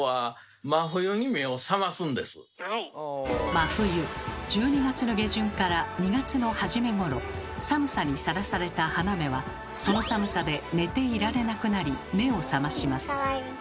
真冬１２月の下旬から２月の初めごろ寒さにさらされた花芽はその寒さで寝ていられなくなり目を覚まします。